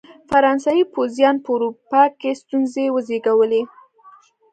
فرانسوي پوځیانو په اروپا کې ستونزې وزېږولې.